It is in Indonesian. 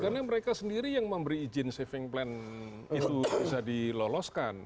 karena mereka sendiri yang memberi izin saving plan itu bisa diloloskan